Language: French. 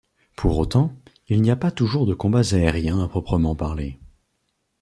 Pour autant, il n'y a pas toujours de combats aériens à proprement parler.